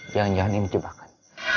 jangan jangan ini menjebakkan